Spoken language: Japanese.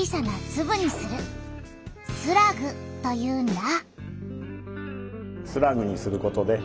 「スラグ」というんだ。